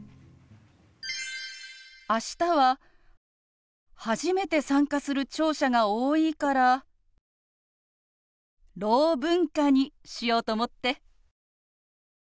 明日は初めて参加する聴者が多いから「ろう文化」にしようと思って。